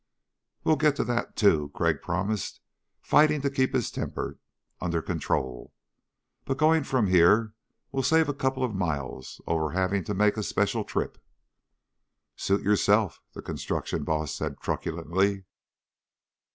"Well get to that, too," Crag promised, fighting to keep his temper under control. "By going from here we'll save a couple of miles over having to make a special trip." "Suit yourself," the construction boss said truculently.